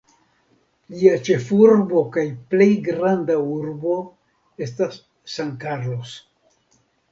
Ĝia ĉefurbo kaj plej granda urbo estas San Carlos.